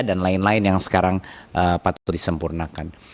dan lain lain yang sekarang patut disempurnakan